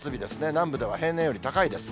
南部では平年より高いです。